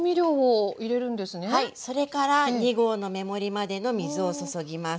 それから２合の目盛りまでの水を注ぎます。